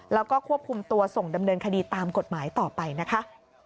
แล้วก็ควบคุมตัวส่งดำเนินคดีตามกฎหมายต่อไปนะคะ